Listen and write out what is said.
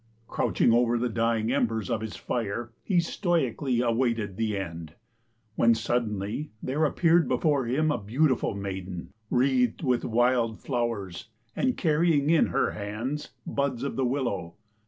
Crouching over the dying embers of his fire he stoically awaited the end, when suddenly there appeared before him a beautiful maiden wreathed with wild flowers and carrying in her hands, buds of the willow.